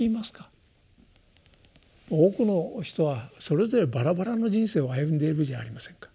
多くの人はそれぞればらばらの人生を歩んでいるじゃありませんか。